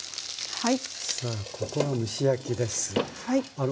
はい。